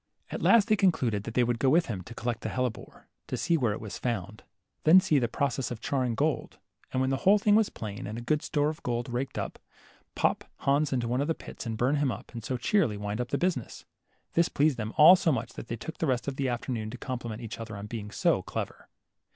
At last they concluded they would go with him to collect the hellebore, to see where it was found, then see the process of charring gold, and, when the whole thing was plain, and a good store of gold raked out, pop Hans into one of the pits and burn him up, and so cheerily wind up the business. This pleased them all so much that they took the rest of the afternoon to compliment each other upon being so clever.